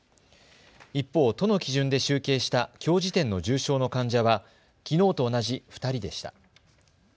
一方、都の基準で集計したきょう時点の重症の患者はきのうと同じ２人でした。